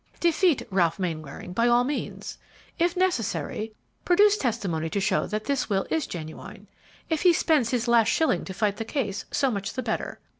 "Defeat Ralph Mainwaring, by all means; if necessary, produce testimony to show that this will is genuine. If he spends his last shilling to fight the case, so much the better.